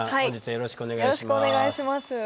よろしくお願いします。